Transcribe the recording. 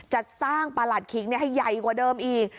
จะสร้างประหลัดขิกให้ใหญ่กว่าเดิมอีก